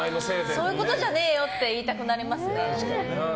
そういうとこだよって言いたくなりますね。